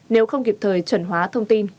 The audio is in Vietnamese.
nếu không kịp thời trần hóa thông tin